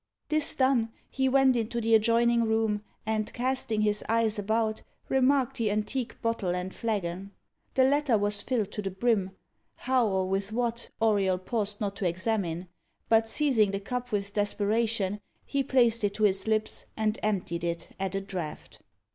This done, he went into the adjoining room, and, casting his eyes about, remarked the antique bottle and flagon. The latter was filled to the brim how or with what, Auriol paused not to examine; but seizing the cup with desperation, he placed it to his lips, and emptied it at a draught.